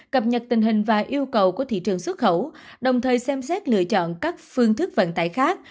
cập nhật tình hình và yêu cầu của thị trường xuất khẩu đồng thời xem xét lựa chọn các phương thức vận tải khác